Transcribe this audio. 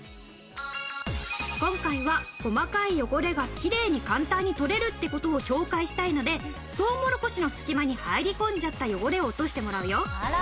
今回は細かい汚れがきれいに簡単に取れるって事を紹介したいのでトウモロコシの隙間に入り込んじゃった汚れを落としてもらうよ。